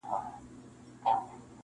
دادی وګوره صاحب د لوی نښان یم .